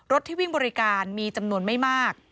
ที่วิ่งบริการมีจำนวนไม่มาก